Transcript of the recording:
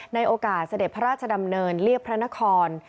ในโอกาสเสด็จพระราชดำเนินเรียบพระนคร